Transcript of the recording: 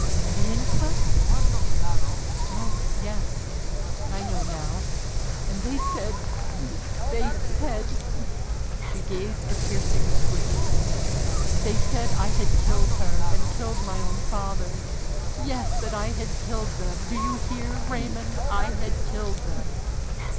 "The inquest? Oh, yes, I know now, and they said they said " She gave a piercing scream. "They said I had killed her and killed my own father! Yes, that I had killed them! Do you hear, Raymond, I had killed them!"